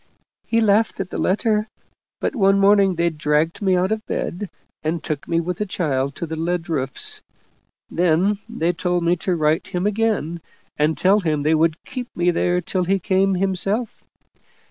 He laughed at the letter, but one morning they dragged me out of my bed, and took me with the child to the lead roofs then they told me to write him again and tell him they would keep me there till he came himself.